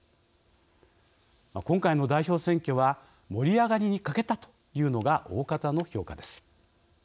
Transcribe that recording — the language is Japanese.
今回の代表選挙は盛り上がりに欠けたというのが大方の評価です。